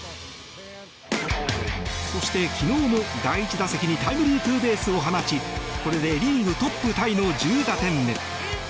そして昨日も、第１打席にタイムリーツーベースを放ちこれでリーグトップタイの１０打点目。